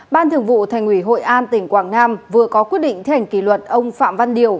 ban thường vụ thành ủy hội an tỉnh quảng nam vừa có quyết định thi hành kỷ luật ông phạm văn điều